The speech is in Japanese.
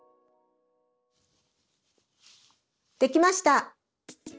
できました。